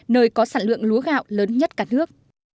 nơi có sản lượng lúa gạo lớn nhất cả nước